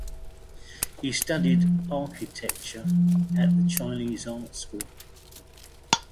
He studied architecture at the Chinese Art School.